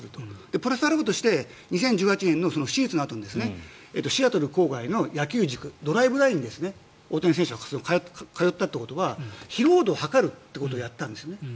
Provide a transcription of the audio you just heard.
プラスアルファとして２０１８年の手術のあとシアトル郊外の野球塾ドライブラインに大谷選手は通ったということは疲労度を測るということをやったんです。